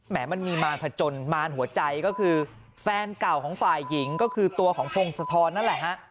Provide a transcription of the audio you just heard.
มันมีมารพจนมารหัวใจก็คือแฟนเก่าของฝ่ายหญิงก็คือตัวของพงศธรนั่นแหละฮะ